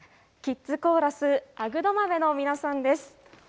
キッズコーラスあぐどまめの皆さんです。